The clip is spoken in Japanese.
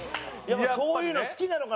そういうの好きなのかな？